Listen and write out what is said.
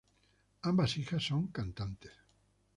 Ambas hijas son cantantes.